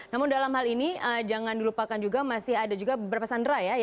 namun dalam hal ini jangan dilupakan juga masih ada juga beberapa sandera ya